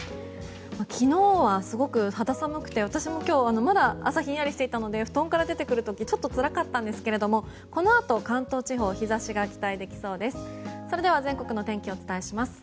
昨日はすごく肌寒くて私も今日まだ朝、ひんやりしていたので布団から出てくる時ちょっとつらかったんですけどこのあと関東地方日差しが期待できそうです。